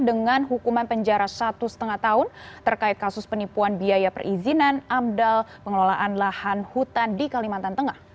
dengan hukuman penjara satu lima tahun terkait kasus penipuan biaya perizinan amdal pengelolaan lahan hutan di kalimantan tengah